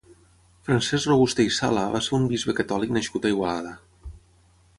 Francesc Robuster i Sala va ser un bisbe catòlic nascut a Igualada.